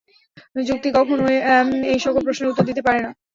যুক্তি কখনও এই-সকল প্রশ্নের উত্তর দিতে পারে না।